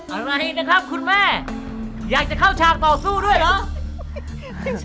เอาละครับคุณแม่อยากจะเข้าชาติต่อสู้ด้วย่ะ